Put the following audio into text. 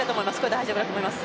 大丈夫だと思います。